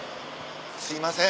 すいません。